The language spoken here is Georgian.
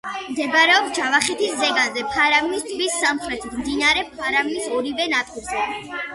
მდებარეობს ჯავახეთის ზეგანზე, ფარავნის ტბის სამხრეთით, მდინარე ფარავნის ორივე ნაპირზე.